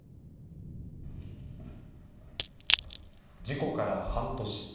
事故から半年。